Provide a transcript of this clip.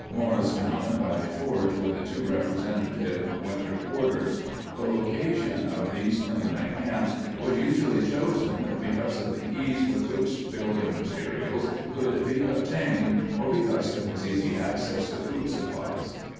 Morristown and Valley Forge were the two representative winter quarters. The location of these permanent camps was usually chosen because of the ease with which building materials could be obtained or because there was easy access to food supplies.